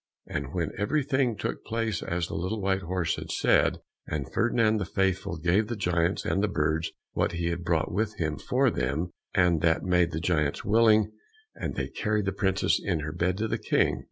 And now everything took place as the little white horse had said, and Ferdinand the Faithful gave the giants and the birds what he had brought with him for them, and that made the giants willing, and they carried the princess in her bed to the King.